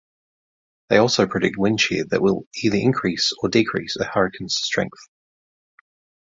They also predict wind shear that will either increase or decrease a hurricane's strength.